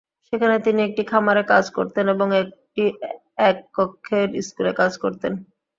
সেখানে তিনি একটি খামারে কাজ করতেন এবং একটি এক কক্ষের স্কুলে কাজ করতেন।